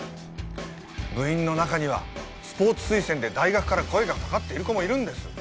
部員の中にはスポーツ推薦で大学から声がかかっている子もいるんです